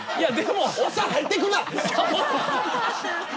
おっさん入ってくんな。